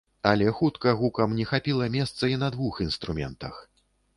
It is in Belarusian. Але хутка гукам не хапіла месца і на двух інструментах.